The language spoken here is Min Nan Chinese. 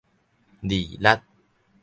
離力